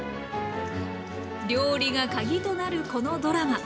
料理が鍵となるこのドラマ。